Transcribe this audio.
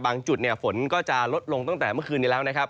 จุดฝนก็จะลดลงตั้งแต่เมื่อคืนนี้แล้วนะครับ